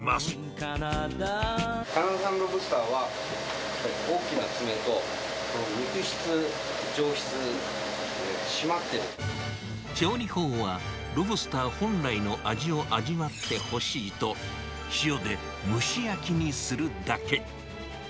ロブスターはカナダ産にこだカナダ産のロブスターは、大きな爪と、この肉質、調理法は、ロブスター本来の味を味わってほしいと、塩で蒸し焼きにするだけ。